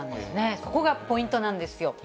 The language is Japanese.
そこがポイントなんですよ。